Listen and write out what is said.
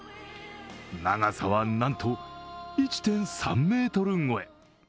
長さはなんと１．３ｍ超え。